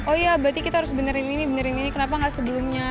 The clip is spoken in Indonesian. oh iya berarti kita harus benerin ini benerin ini kenapa gak sebelumnya